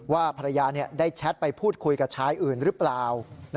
ว่าภรรยาได้แชทไปพูดคุยกับชายอื่นหรือเปล่า